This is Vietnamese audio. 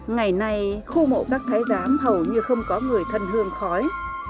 ngày nay khu mộ các thái giám hầu như không có người thân hương khói